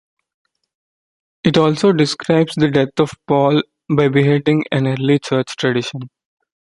It also describes the death of Paul by beheading, an early church tradition.